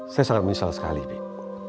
saya sangat menyesal sekali deh